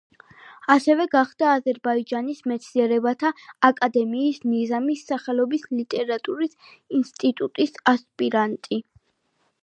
ასევე გახდა აზერბაიჯანის მეცნიერებათა აკადემიის ნიზამის სახელობის ლიტერატურის ინსტიტუტის ასპირანტი.